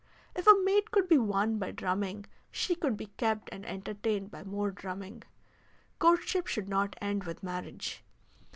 If a mate could be won by drumming she could be kept and entertained by more drumming; courtship should not end with marriage.